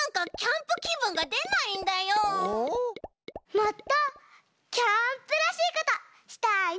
もっとキャンプらしいことしたいな！